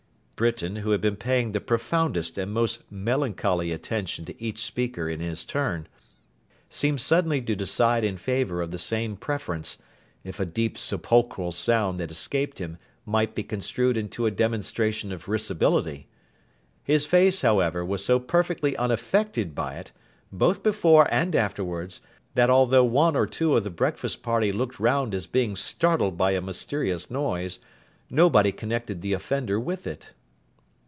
Britain, who had been paying the profoundest and most melancholy attention to each speaker in his turn, seemed suddenly to decide in favour of the same preference, if a deep sepulchral sound that escaped him might be construed into a demonstration of risibility. His face, however, was so perfectly unaffected by it, both before and afterwards, that although one or two of the breakfast party looked round as being startled by a mysterious noise, nobody connected the offender with it.